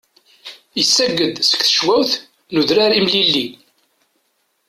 Isagg-d seg tecwawt n udrar imlilli.